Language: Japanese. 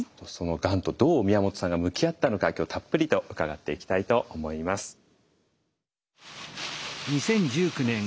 そのがんとどう宮本さんが向き合ったのか今日たっぷりと伺っていきたいと思います。